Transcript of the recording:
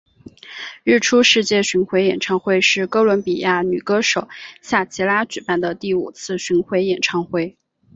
日出世界巡回演唱会是哥伦比亚女歌手夏奇拉举办的第五次巡回演唱会。